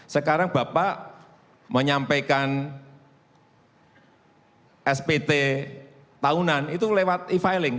sekarang bapak menyampaikan spt tahunan itu lewat e filing